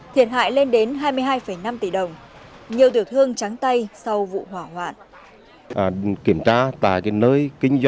thiệt hại lên đến hai mươi hai năm tỷ đồng